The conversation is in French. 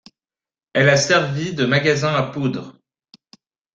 Elle a servi de magasin à poudre.